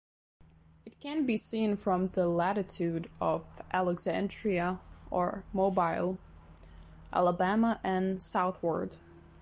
It can be seen from the latitude of Alexandria or Mobile, Alabama and southward.